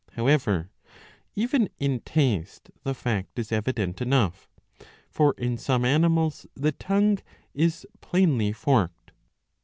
However even in taste the fact is evident enough ; for in some animals the tongue is plainly forked.